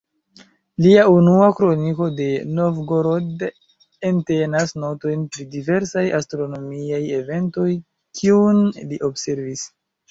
Lia "Unua kroniko de Novgorod" entenas notojn pri diversaj astronomiaj eventoj, kiun li observis.